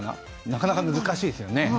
なかなか難しいですよね。